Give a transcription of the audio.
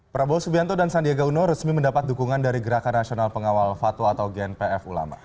prabowo subianto dan sandiaga uno resmi mendapat dukungan dari gerakan nasional pengawal fatwa atau gnpf ulama